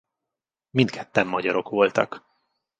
Mindketten magyarok voltak.